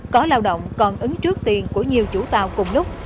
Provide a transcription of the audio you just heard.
có lao động còn ứng trước tiền của nhiều chủ tàu cùng lúc